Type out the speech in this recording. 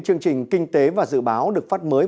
chương trình kinh tế và dự báo được phát mới